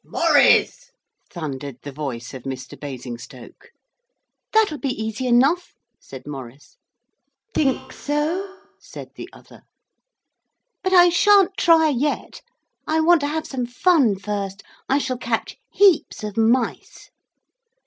('Maurice!' thundered the voice of Mr. Basingstoke.) 'That'll be easy enough,' said Maurice. 'Think so?' said the other. 'But I sha'n't try yet. I want to have some fun first. I shall catch heaps of mice!'